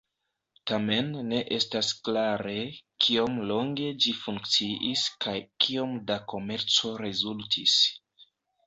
Tamen ne estas klare, kiom longe ĝi funkciis kaj kiom da komerco rezultis.